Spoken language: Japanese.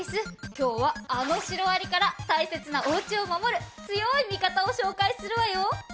今日はあのシロアリから大切なお家を守る強い味方を紹介するわよ！